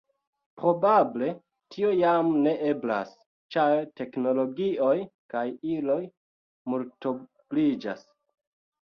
Probable tio jam ne eblas, ĉar teknologioj kaj iloj multobliĝas.